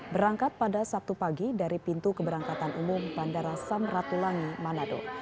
berangkat pada sabtu pagi dari pintu keberangkatan umum bandara samratulangi manado